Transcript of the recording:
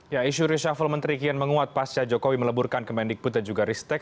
ya isu reshuffle menteri kian menguat pasca jokowi meleburkan kemendikbud dan juga ristek